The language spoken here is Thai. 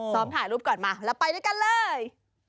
ถ่ายรูปก่อนมาแล้วไปด้วยกันเลย